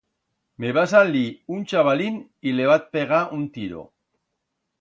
Me va salir un chabalín y le va pegar un tiro.